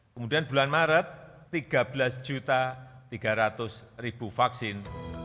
kemudian bulan maret tiga belas tiga ratus vaksin